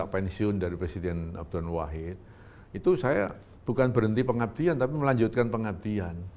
pensiun dari presiden abdur wahid itu saya bukan berhenti pengabdian tapi melanjutkan pengabdian